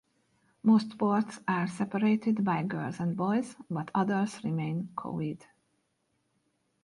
Most sports are separated by girls and boys, but others remain co-ed.